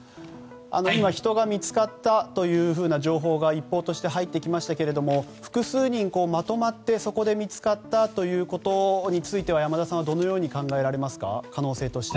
今、人が見つかったという情報が、一報として入ってきましたけれども複数人まとまってそこで見つかったということについてはどのように考えられますか？